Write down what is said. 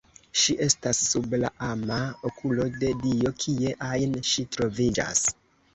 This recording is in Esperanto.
Ŝi estas sub la ama okulo de Dio, kie ajn ŝi troviĝas.